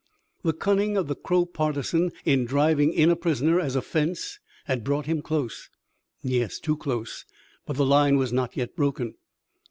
The cunning of the Crow partisan in driving in a prisoner as a fence had brought him close, yes too close. But the line was not yet broken.